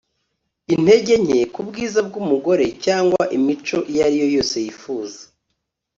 intege nke kubwiza bwumugore cyangwa imico iyo ari yo yose yifuza